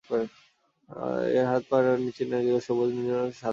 এর হাত এবং পায়ের সামনের দিকগুলি সবুজ এবং নীচের অংশটি হলুদ বা সাদা।